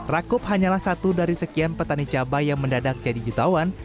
rakup hanyalah satu dari sekian petani cabai yang mendadak jadi jutawan